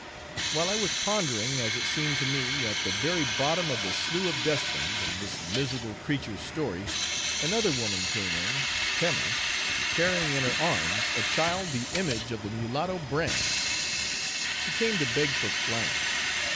While I was pondering, as it seemed to me, at the very bottom of the Slough of Despond, on this miserable creature's story, another woman came in (Tema), carrying in her arms a child the image of the mulatto Bran; she came to beg for flannel.